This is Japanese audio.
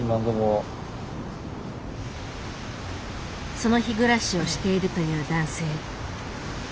その日暮らしをしているという男性。